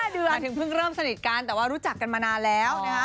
เดือนถึงเพิ่งเริ่มสนิทกันแต่ว่ารู้จักกันมานานแล้วนะคะ